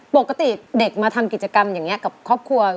ปกติเด็กมาทำกิจกรรมอย่างนี้กับครอบครัว